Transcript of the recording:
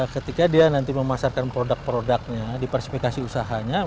ketika dia nanti memasarkan produk produknya di persifikasi usahanya